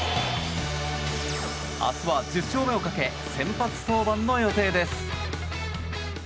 明日は１０勝目をかけ先発登板の予定です。